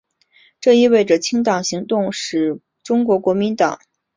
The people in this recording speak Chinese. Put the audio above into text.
这意味着清党行动使得中国国民党党务系统大换血。